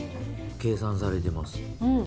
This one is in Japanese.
計算されてます。